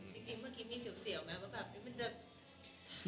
พี่พิมพ์เมื่อกี้มีเสี่ยวมั้ย